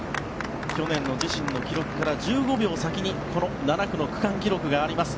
去年の自身の記録から１５秒先にこの７区の区間記録があります。